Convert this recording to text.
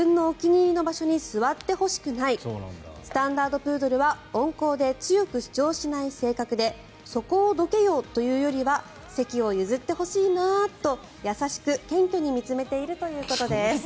ドッグトレーナーの鹿野さんによりますと自分のお気に入りの場所に座ってほしくないスタンダード・プードルは温厚で強く主張しない性格でそこをどけというよりは席を譲ってほしいなと優しく謙虚に認めているということです。